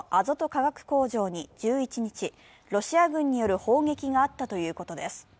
化学工場に１１日ロシア軍による砲撃があったということです。